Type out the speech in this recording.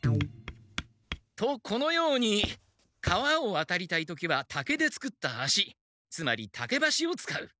とこのように川をわたりたい時は竹で作った橋つまり竹橋を使う。